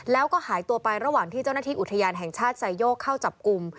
แล้วก็หายตัวไประหว่างที่เจ้าหน้าที่อุทยานแห่งชาติไซโยกเข้าจับกลุ่ม